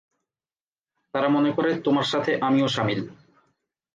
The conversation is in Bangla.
তারা মনে করে তোমার সাথে আমিও শামিল।